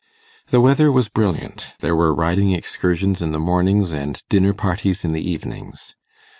The weather was brilliant; there were riding excursions in the mornings and dinner parties in the evenings.